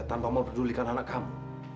kamu mau pedulikan anak kamu